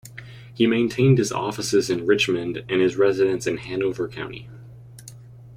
He maintained his offices in Richmond and his residence in Hanover County.